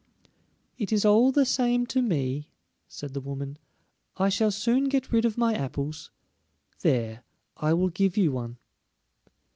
"It is all the same to me," said the woman. "I shall soon get rid of my apples. There, I will give you one."